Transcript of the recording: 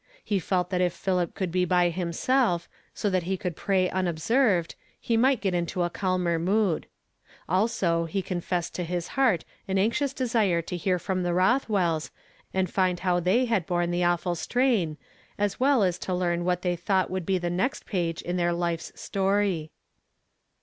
He felt that if Philip could be by himself, so that he could pray unobserved, he might get into a calmer mood. Also he confessed to his heart an anxious desire to hear from the Rothwells, and find how they had borne the awful strain, as well as to learn what they thought would be the next page in their life's story.